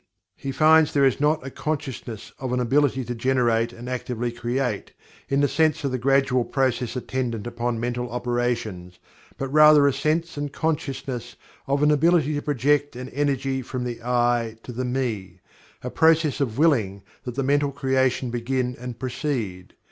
He finds there not a consciousness of an ability to generate and actively create, in the sense of the gradual process attendant upon mental operations, but rather a sense and consciousness of an ability to project an energy from the "I" to the "Me" a process of "willing" that the mental creation begin and proceed.